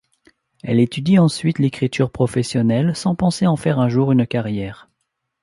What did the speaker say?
Elle étudie ensuite l’écriture professionnelle sans penser en faire un jour une carrière.